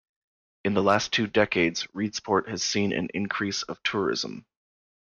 In the last two decades, Reedsport has seen an increase of tourism.